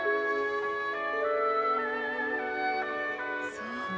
そう。